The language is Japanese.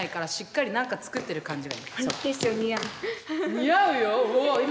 似合うよ！